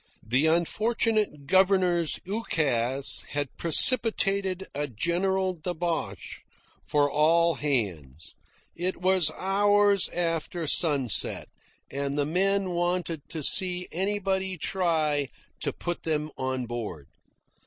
The unfortunate governor's ukase had precipitated a general debauch for all hands. It was hours after sunset, and the men wanted to see anybody try to put them on board.